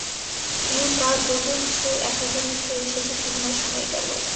Yuta jujutsu একাডেমীতে এসেছে তিন মাস হয়ে গেল।